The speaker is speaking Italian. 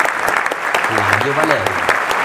Flavio Valerio